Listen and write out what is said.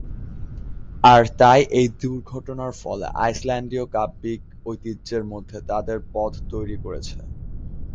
আর তাই এই দুর্ঘটনার ফলে আইসল্যান্ডীয় কাব্যিক ঐতিহ্যের মধ্যে তাদের পথ তৈরি করেছে।